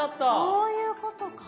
そういうことか。